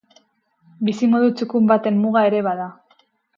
Bizimodu txukun baten muga ere bada.